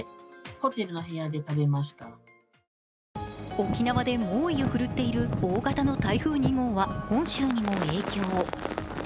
沖縄で猛威を振るっている大型の台風２号は本州にも影響。